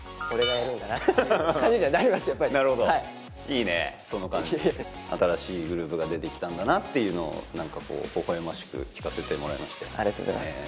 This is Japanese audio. やっぱりいいねその感じ新しいグループが出てきたんだなっていうのをほほ笑ましく聴かせてもらいましたよ